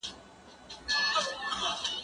ايا ته زدکړه کوې،